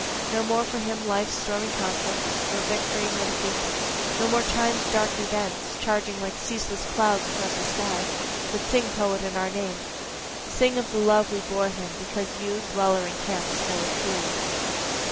No more for him life's stormy conflicts, Nor victory, nor defeat no more time's dark events, Charging like ceaseless clouds across the sky. But sing poet in our name, Sing of the love we bore him because you, dweller in camps, know it truly.